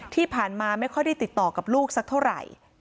ที่ผ่านมาไม่ค่อยได้ติดต่อกับลูกสักเท่าไหร่